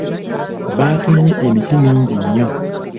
Baatemye emiti mingi nnyo.